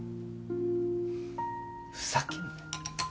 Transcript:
ふざけんなよ。